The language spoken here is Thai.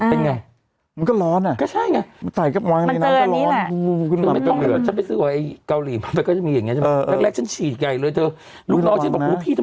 เป็นไงมันก็ร้อนอ่ะก็ใช่ไงมันใส่กับวางในน้ำก็ร้อนมันเจออันนี้แหละ